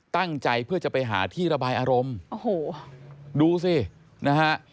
ตั้งใจเพื่อจะไปหาที่ระบายอารมณ์โอ้โหดูสินะฮะ